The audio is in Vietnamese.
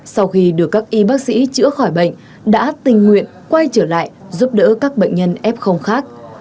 sau khi được các y bác sĩ chữa khỏi bệnh đã tình nguyện quay trở lại giúp đỡ các bệnh nhân f khác